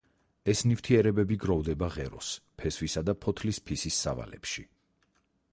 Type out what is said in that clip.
ეს ნივთიერებები გროვდება ღეროს, ფესვისა და ფოთლის ფისის სავალებში.